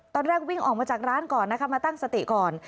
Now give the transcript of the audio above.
ตอนแรกวิ่งออกมาจากร้านก่อนนะคะมาตั้งสติก่อน